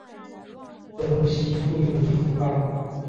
东西不容易腐败